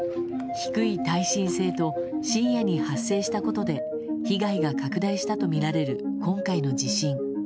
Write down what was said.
低い耐震性と深夜に発生したことで被害が拡大したとみられる今回の地震。